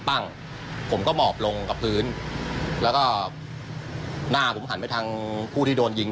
แล้วรถคันนั้นก็เคลื่อนตัวไปช้าครับโปรกติ